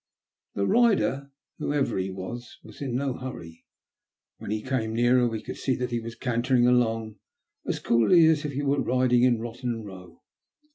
The rider, whoever he was, was in no hurry. When he came nearer, we could see that he was cantering along as coolly as if he were riding in Botten Bow.